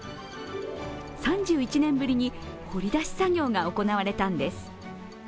３１年ぶりに掘り出し作業が行われたんです。